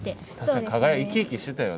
生き生きしてたよ